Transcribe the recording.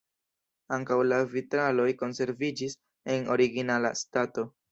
Ankaŭ la vitraloj konserviĝis en originala stato.